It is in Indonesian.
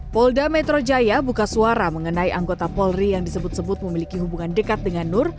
polda metro jaya buka suara mengenai anggota polri yang disebut sebut memiliki hubungan dekat dengan nur